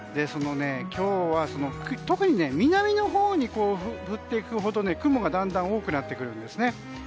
今日は特に南のほうに下っていくほど雲がだんだん多くなってくるんです。